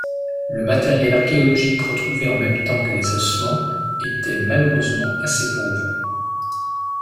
Le matériel archéologique retrouvé en même temps que les ossements était malheureusement assez pauvre.